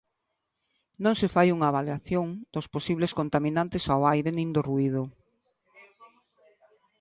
Non se fai unha avaliación dos posibles contaminantes ao aire nin do ruído.